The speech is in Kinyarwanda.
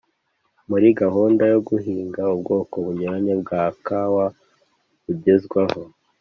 muri gahunda yo guhinga ubwoko bunyuranye bwa kawa bugezweho,